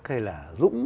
hay là dũng